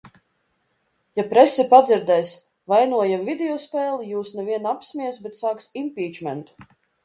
Ja prese padzirdēs: vainojam videospēli, jūs ne vien apsmies, bet sāks impīčmentu!